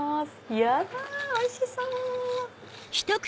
いやおいしそう！